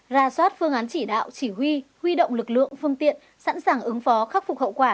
ra soát phương án chỉ đạo chỉ huy huy động lực lượng phương tiện sẵn sàng ứng phó khắc phục hậu quả